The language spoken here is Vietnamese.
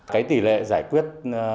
cái tỷ lệ giải quyết